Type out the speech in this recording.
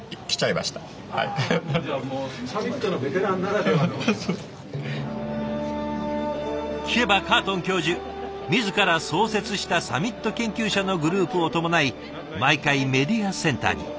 これはですね聞けばカートン教授自ら創設したサミット研究者のグループを伴い毎回メディアセンターに。